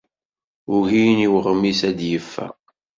Ugin i weɣmis ad d-yeffeɣ.